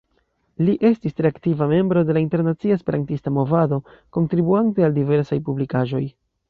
Li estis tre aktiva membro de la internacia esperantista movado, kontribuante al diversaj publikaĵoj.